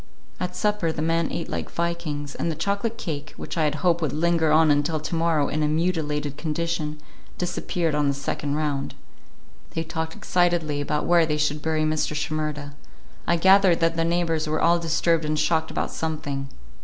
At supper the men ate like vikings, and the chocolate cake, which I had hoped would linger on until to morrow in a mutilated condition, disappeared on the second round. They talked excitedly about where they should bury Mr. Shimerda; I gathered that the neighbors were all disturbed and shocked about something.